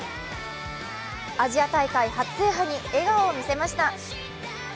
アジア大会初制覇に笑顔を見せました。